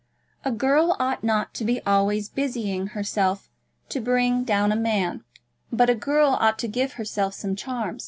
A girl ought not to be always busying herself to bring down a man, but a girl ought to give herself some charm.